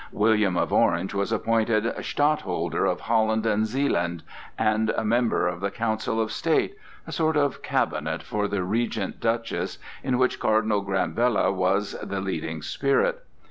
William of Orange was appointed Stadtholder of Holland and Zealand, and a member of the Council of State, a sort of cabinet for the Regent Duchess in which Cardinal Granvella was the leading spirit.